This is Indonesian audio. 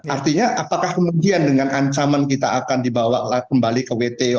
artinya apakah kemudian dengan ancaman kita akan dibawa kembali ke wto